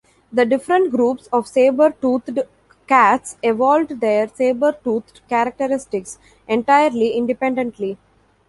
The different groups of saber-toothed cats evolved their saber-toothed characteristics entirely independently.